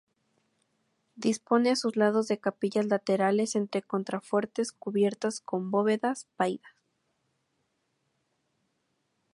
Dispone a sus lados de capillas laterales entre contrafuertes cubiertas con bóvedas vaídas.